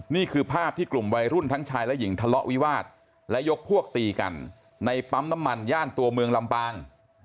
นี่คือภาพที่กลุ่มวัยรุ่นทั้งชายและหญิงทะเลาะวิวาสและยกพวกตีกันในปั๊มน้ำมันย่านตัวเมืองลำปาง